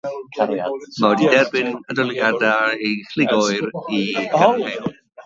Mae wedi derbyn adolygiadau llugoer i gadarnhaol.